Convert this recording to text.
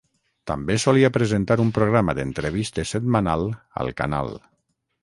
També solia presentar un programa d'entrevistes setmanal al canal.